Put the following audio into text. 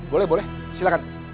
boleh boleh silahkan